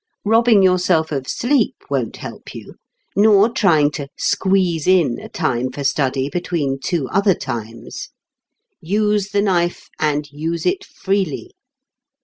Robbing yourself of sleep won't help you, nor trying to "squeeze in" a time for study between two other times. Use the knife, and use it freely.